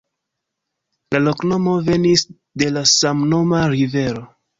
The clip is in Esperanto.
La loknomo venis de la samnoma rivero.